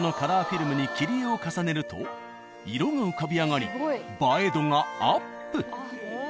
フィルムに切り絵を重ねると色が浮かび上がり映え度がアップ。